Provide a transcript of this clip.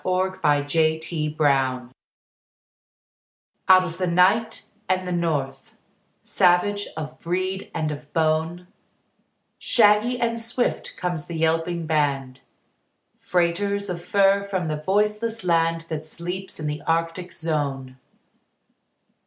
THE TRAIN DOGS Out of the night and the north; Savage of breed and of bone, Shaggy and swift comes the yelping band, Freighters of fur from the voiceless land That sleeps in the Arctic zone.